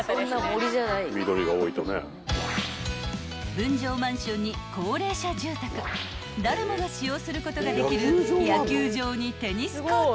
［分譲マンションに高齢者住宅誰もが使用することができる野球場にテニスコート］